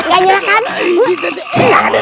gak nyerah kan